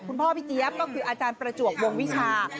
พี่เจี๊ยบก็คืออาจารย์ประจวบวงวิชา